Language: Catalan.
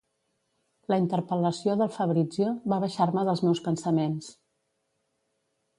La interpel·lació del Fabrizio va baixar-me dels meus pensaments.